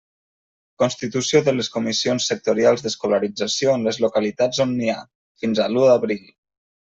Constitució de les comissions sectorials d'escolarització en les localitats on n'hi ha: fins a l'u d'abril.